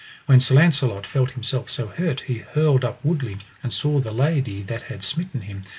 When Sir Launcelot felt himself so hurt, he hurled up woodly, and saw the lady that had smitten him.